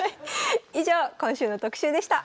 以上今週の特集でした。